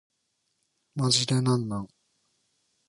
マジでなんなん